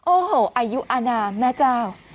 โอ้โหอายุอนามนะเจ้า